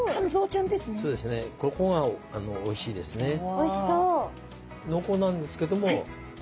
おいしそう。